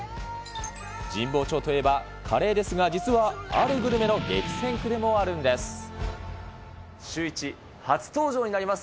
神保町といえば、カレーですが、実はあるグルメの激戦区でもあるんです。シューイチ、初登場になります